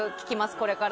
これから。